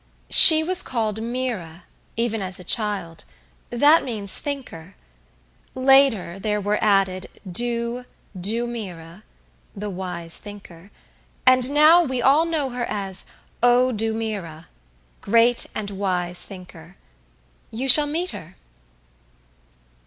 She was called Mera, even as a child; that means 'thinker.' Later there was added Du Du Mera the wise thinker, and now we all know her as O du mera great and wise thinker. You shall meet her."